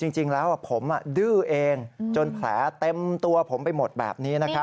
จริงแล้วผมดื้อเองจนแผลเต็มตัวผมไปหมดแบบนี้